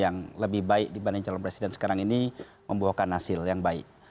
yang lebih baik dibanding calon presiden sekarang ini membuahkan hasil yang baik